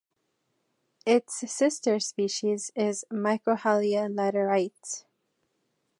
Its sister species is "Microhyla laterite".